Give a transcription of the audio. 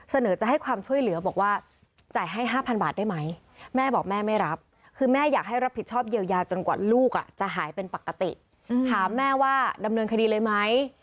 เสนอจะให้ความช่วยเหลือบอกว่าจ่ายให้๕๐๐๐บาทได้ไหม